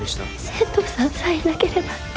千堂さんさえいなければって。